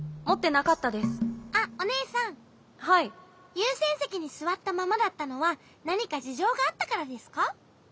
ゆうせんせきにすわったままだったのはなにかじじょうがあったからですか？